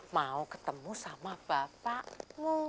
mau ketemu sama bapakmu